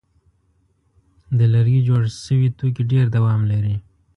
د لرګي جوړ شوي توکي ډېر دوام لري.